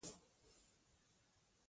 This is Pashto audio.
لکه دی چې ما پوښتي، تیروتنه درنه شوې؟